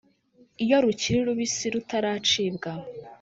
iyo rukiri rubisi rutaracibwa,